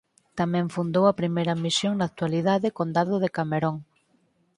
Tamén fundou a primeira misión na actualidade condado de Cameron.